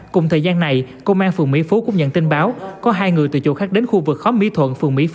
cùng thời gian này công an phường mỹ phố cũng nhận tin báo có hai người từ chỗ khác đến khu vực khóm mỹ thuận